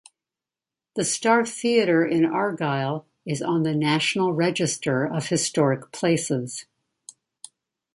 The Star Theatre in Argyle is on the National Register of Historic Places.